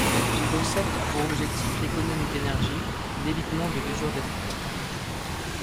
Ce concept a pour objectif l'économie d'énergie et l'évitement de l'usure des freins.